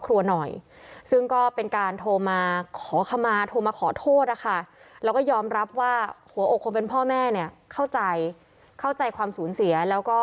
คุณไปทำร้ายคนอื่นเขาเนี่ย